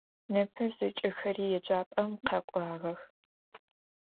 Nêpe zeç'exeri yêcap'em khek'uağex.